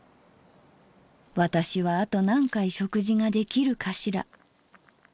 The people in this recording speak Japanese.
『私はあと何回食事が出来るかしら』